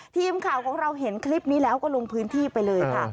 ทีมข่าวของเราเห็นคลิปนี้แล้วก็ลงพื้นที่ไปเลยค่ะ